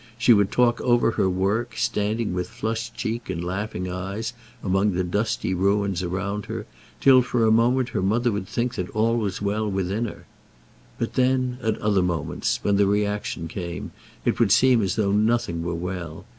She would talk over her work, standing with flushed cheek and laughing eyes among the dusty ruins around her, till for a moment her mother would think that all was well within her. But then at other moments, when the reaction came, it would seem as though nothing were well.